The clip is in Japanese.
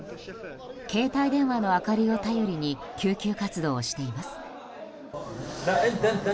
携帯電話の明かりを頼りに救急活動をしています。